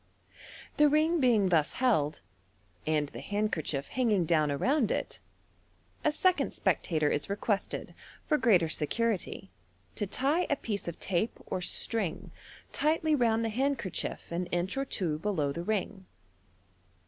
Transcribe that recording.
The ring being thus held, and the handkerchief hanging down around it, a second spectator is requested, for greater security, to tie a piece of tape or string tightly round the handkerchief an inch or two below the ring.